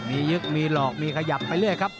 มียึกมีหลอกมีขยับไปเรื่อยครับ